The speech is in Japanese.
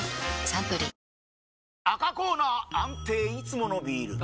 サントリー赤コーナー安定いつものビール！